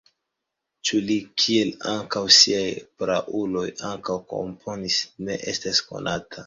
Ĉu li kiel ankaŭ siaj prauloj ankaŭ komponis, ne estas konata.